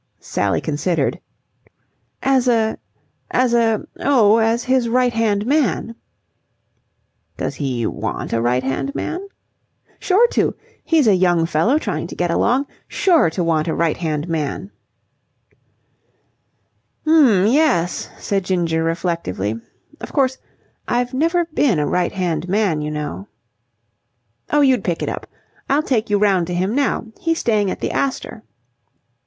Sally considered. "As a as a oh, as his right hand man." "Does he want a right hand man?" "Sure to. He's a young fellow trying to get along. Sure to want a right hand man." "'M yes," said Ginger reflectively. "Of course, I've never been a right hand man, you know." "Oh, you'd pick it up. I'll take you round to him now. He's staying at the Astor."